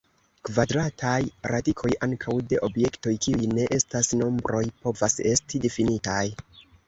Kvadrataj radikoj ankaŭ de objektoj kiuj ne estas nombroj povas esti difinitaj.